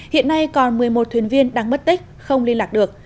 hiện nay còn một mươi một thuyền viên đang mất tích không liên lạc được